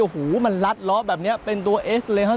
โอ้โหมันลัดล้อแบบนี้เป็นตัวเอสเลยครับ